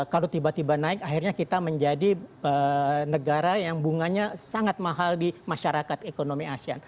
kalau tiba tiba naik akhirnya kita menjadi negara yang bunganya sangat mahal di masyarakat ekonomi asean